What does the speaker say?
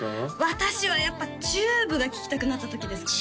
私はやっぱＴＵＢＥが聴きたくなった時ですかね